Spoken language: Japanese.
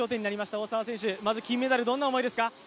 大澤選手、まず金メダルどんな思いですか。